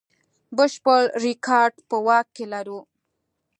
بشپړ ریکارډ په واک کې لرو.